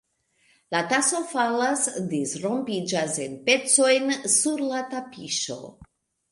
La taso falas, disrompiĝas en pecojn sur la tapiŝo.